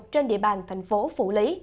trên địa bàn thành phố phủ lý